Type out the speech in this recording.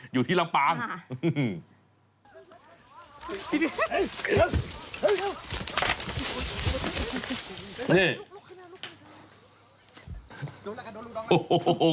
อยู่ที่ลำปาง